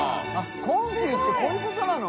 △コンフィってこういうことなの？